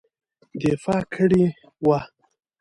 دفاع کړې وه.